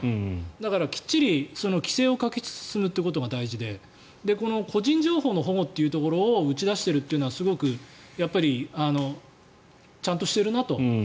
だから、きっちり規制をかけつつ進むということが大事でこの個人情報の保護というところを打ち出しているというのはすごくやっぱりちゃんとしてるなと。